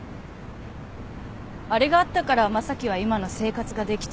あれがあったから正樹は今の生活ができてるの。